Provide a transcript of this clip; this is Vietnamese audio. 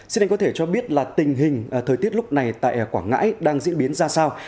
xin anh có thể cho biết là tình hình thời tiết lúc này tại quảng ngãi đang diễn biến ra sao